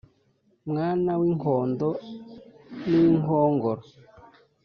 mwana w'inkondo n'inkongoro